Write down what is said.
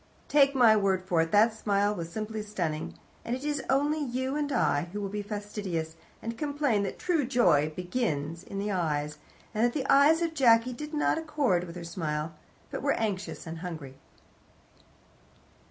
Take my word for it, that smile was simply stunning, and it is only you and I who will be fastidious, and complain that true joy begins in the eyes, and that the eyes of Jacky did not accord with her smile, but were anxious and hungry.